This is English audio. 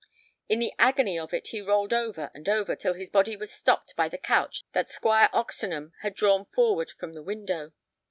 In the agony of it he rolled over and over till his body was stopped by the couch that Squire Oxenham had drawn forward from the window.